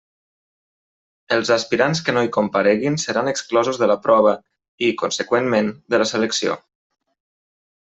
Els aspirants que no hi compareguin seran exclosos de la prova i, conseqüentment, de la selecció.